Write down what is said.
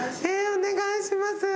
お願いします。